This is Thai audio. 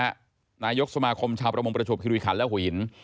และนายกสมาคมชาวประมวงประชุมคิรุยคันและห่วหิน